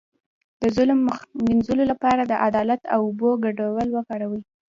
د ظلم د مینځلو لپاره د عدالت او اوبو ګډول وکاروئ